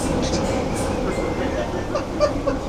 El entrenador de aquella etapa fue Chang Woe-ryong.